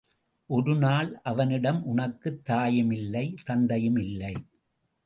ஒருநாள் அவனிடம் உனக்குத் தாயும் இல்லை, தந்தையும் இல்லை.